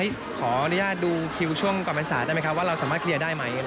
ขออนุญาตดูคิวช่วงก่อนพรรษาได้ไหมครับว่าเราสามารถเคลียร์ได้ไหม